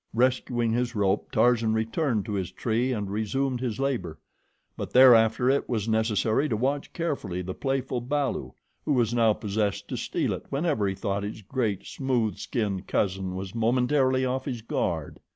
Rescuing his rope, Tarzan returned to his tree and resumed his labor; but thereafter it was necessary to watch carefully the playful balu, who was now possessed to steal it whenever he thought his great, smooth skinned cousin was momentarily off his guard.